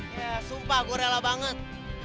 ya sumpah gue rela banget